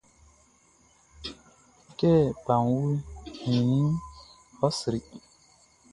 Kɛ baʼn wun i ninʼn, ɔ sri.